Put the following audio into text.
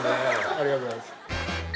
ありがとうございます